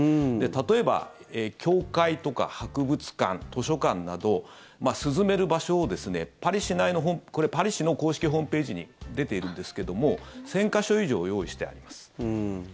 例えば、教会とか博物館、図書館など涼める場所をこれパリ市の公式ホームページに出ているんですけども１０００か所以上用意してあります。